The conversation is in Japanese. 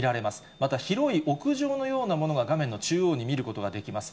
また広い屋上のようなものが画面の中央に見ることができます。